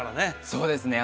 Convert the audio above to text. そうですね